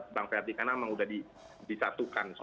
bang friyati kan memang udah disatukan semua